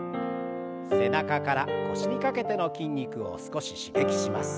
背中から腰にかけての筋肉を少し刺激します。